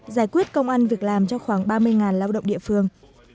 giải quyết công an việc làm cho khoảng ba mươi lao động địa phương